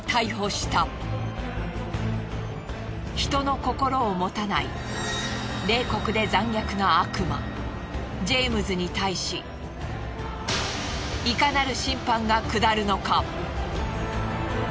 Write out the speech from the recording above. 人の心を持たない冷酷で残虐な悪魔ジェームズに対しいかなる審判が下るのか。